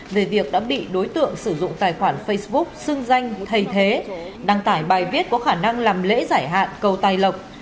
về việc đã bị đối tượng sử dụng tài khoản facebook xưng danh thầy thế đăng tải bài viết có khả năng làm lễ giải hạn cầu tài lộc